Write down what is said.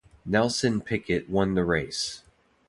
Nelson Piquet won the race.